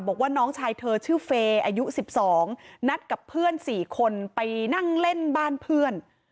บอกว่าน้องชายเธอชื่อเฟย์อายุ๑๒นัดกับเพื่อน๔คนไปนั่งเล่นบ้านเพื่อน